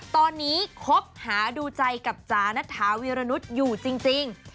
ตอนนี้คบหาดูใจกับจ๋านัทธาวีรนุษย์อยู่จริง